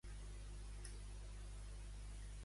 Què passa posteriorment de la seva primera nit junts?